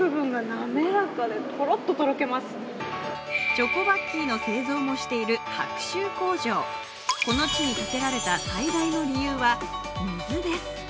チョコバッキーの製造もしている白州工場、この地に建てられた最大の理由は水です。